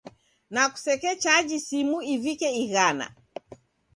Na kusekechaji simu ivike ighana.